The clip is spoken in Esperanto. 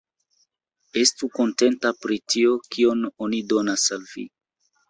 Estu kontenta pri tio, kion oni donas al vi!